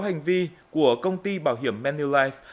hành vi của công ty bảo hiểm manulife